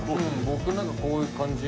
僕なんかこういう感じ？